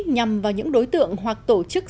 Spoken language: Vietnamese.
nhằm vào những đối tượng hoặc tổ chức